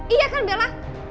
iya kan bella